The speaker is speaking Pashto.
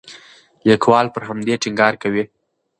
لیکوال پر همدې ټینګار کوي.